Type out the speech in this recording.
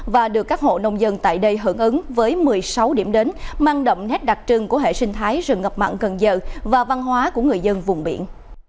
và được các hộ nông dân tại đây hưởng ứng với một mươi sáu điểm đến mang đậm nét đặc trưng của hệ sinh thái rừng ngập mặn cần giờ và văn hóa của người dân vùng biển